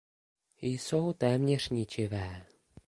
Jsou téměř ničivé.